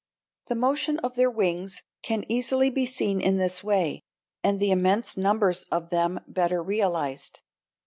The motion of their wings can easily be seen in this way, and the immense numbers of them better realized.